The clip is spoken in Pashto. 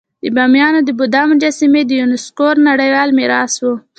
د بامیانو د بودا مجسمې د یونسکو نړیوال میراث وو